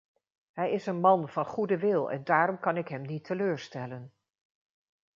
Hij is een man van goede wil en daarom kan ik hem niet teleurstellen.